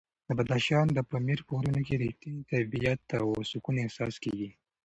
د بدخشان د پامیر په غرونو کې د رښتیني طبیعت او سکون احساس کېږي.